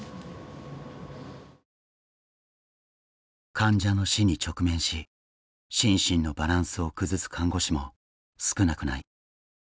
患者の死に直面し心身のバランスを崩す看護師も少なくない。